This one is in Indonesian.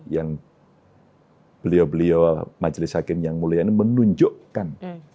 yang beliau beliau majelis hakim yang mulia ini menunjukkan